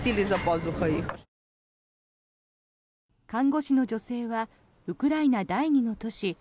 看護師の女性はウクライナ第２の都市